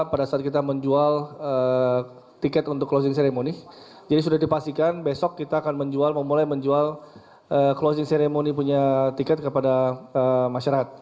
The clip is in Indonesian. pada saat kita menjual tiket untuk closing ceremony jadi sudah dipastikan besok kita akan menjual memulai menjual closing ceremony punya tiket kepada masyarakat